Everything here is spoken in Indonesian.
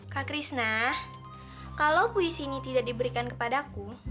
kak krisna kalau puisi ini tidak diberikan kepada aku